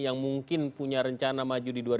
dan punya rencana maju di dua ribu tujuh belas